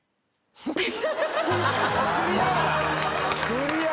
クリア。